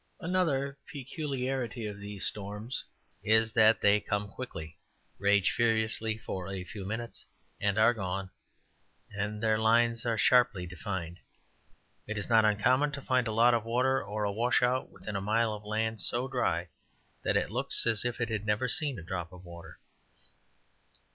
Another peculiarity of these storms is that they come quickly, rage furiously for a few minutes, and are gone, and their lines are sharply defined. It is not uncommon to find a lot of water, or a washout, within a mile of land so dry that it looks as if it had never seen a drop of water.